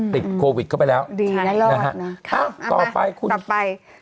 ติดโควิดเข้าไปแล้วนะฮะต่อไปคุณคุณค่ะดีแล้วนะ